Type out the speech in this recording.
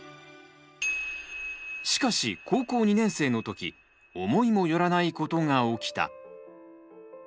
しかし高校２年生のとき思いもよらないことが起きた。